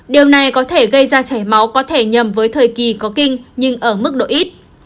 điều này có thể gây ra chảy máu có thể nhầm với thời kỳ có kinh nhưng ở mức độ ít